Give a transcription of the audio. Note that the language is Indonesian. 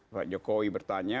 pak jokowi bertanya